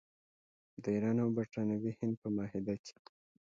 د ایران او برټانوي هند په معاهده کې.